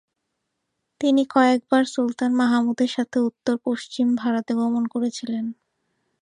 তিনি কয়েকবার সুলতান মাহমুদের সাথে উত্তর-পশ্চিম ভারতে গমন করে ছিলেন।